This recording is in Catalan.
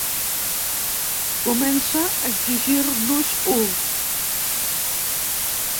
Comença a exigir-nos-ho.